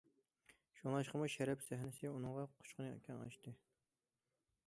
شۇڭلاشقىمۇ شەرەپ سەھنىسى ئۇنىڭغا قۇچىقىنى كەڭ ئاچتى.